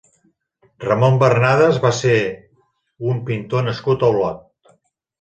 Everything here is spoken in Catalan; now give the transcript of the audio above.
Ramon Barnadas va ser un pintor nascut a Olot.